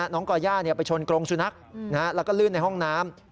ก่อย่าไปชนกรงสุนัขแล้วก็ลื่นในห้องน้ำ